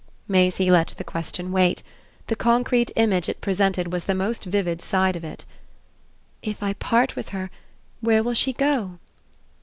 Maisie let the question wait; the concrete image it presented was the most vivid side of it. "If I part with her where will she go?"